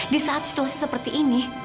di saat situasi seperti ini